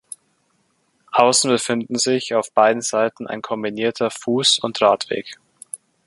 Außen befinden sich auf beiden Seiten ein kombinierter Fuß- und Radweg.